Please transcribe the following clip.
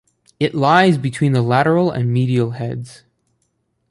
It lies between the lateral and medial heads.